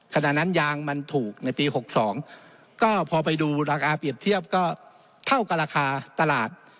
ขณะนั้นยางมันถูกในปี๖๒ก็พอไปดูราคาเปรียบเทียบก็เท่ากับราคาตลาด